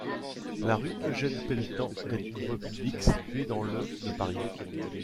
La rue Eugène-Pelletan est une voie publique située dans le de Paris.